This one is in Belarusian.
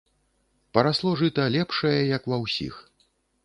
Парасло жыта лепшае, як ва ўсіх.